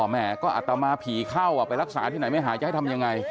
แม่ก็อัตมาผีเข้าไปรักษาที่ไหนไม่หายจะให้ทำยังไง